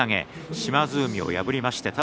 島津海を破りました。